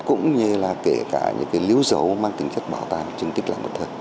cũng như là kể cả những lưu dấu mang tính chất bảo tàng chung tích là một thời